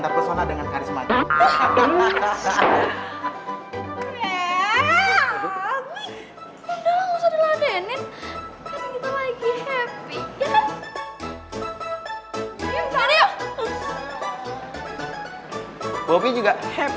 jadi gue ikutan juga